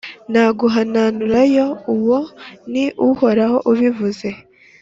naguhananturayo! uwo ni uhoraho ubivuze.